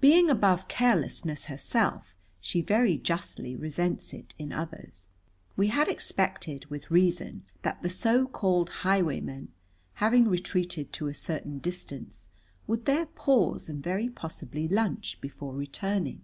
Being above carelessness herself, she very justly resents it in others. We had expected, with reason, that the so called highwaymen, having retreated to a certain distance, would there pause and very possibly lunch before returning.